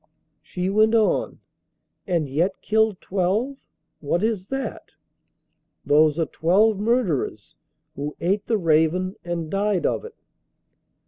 She went on: 'And yet killed twelve what is that?' 'Those are twelve murderers who ate the raven and died of it.